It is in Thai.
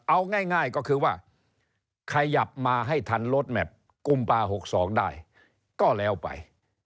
เอาง่ายก็คือว่าขยับมาให้ทันรถแมพกุมภา๖๒ได้ก็แล้วไป